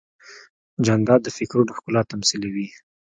جانداد د فکرونو ښکلا تمثیلوي.